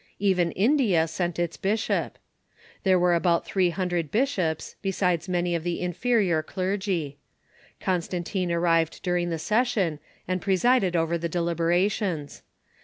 Even India sent its *^°'J[!'^'' °' bishop. There were about three hundred bishops, be sides many of the inferior clergy. Constantine ar rived during the session, and presided over the deliberations.